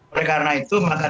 oleh karena itu maka